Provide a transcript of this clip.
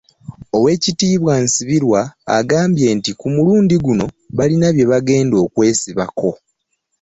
Oweekitiibwa Nsibirwa agambye nti ku mulundi guno balina bye bagenda okwesibako